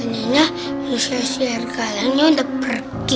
akhirnya riset siar kalengnya udah pergi